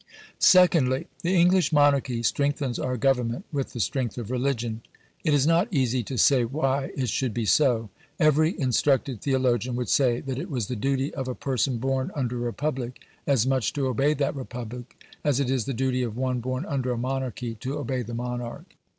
Secondly. The English Monarchy strengthens our Government with the strength of religion. It is not easy to say why it should be so. Every instructed theologian would say that it was the duty of a person born under a Republic as much to obey that Republic as it is the duty of one born under a Monarchy to obey the monarch.